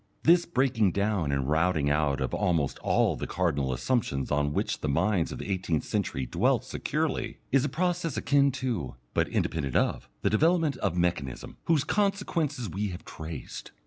This breaking down and routing out of almost all the cardinal assumptions on which the minds of the Eighteenth Century dwelt securely, is a process akin to, but independent of, the development of mechanism, whose consequences we have traced.